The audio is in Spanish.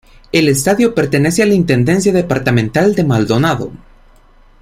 El estadio pertenece a la Intendencia Departamental de Maldonado.